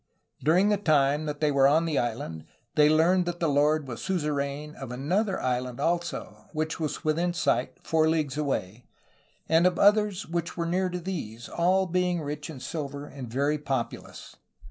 During the time that they were on the island they learned that the lord was suzerain of the other island also, which was within sight, four leagues away, and of others which were near to these, all being rich in silver and very populous.